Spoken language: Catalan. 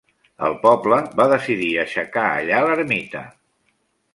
El poble va decidir aixecar allà l'ermita.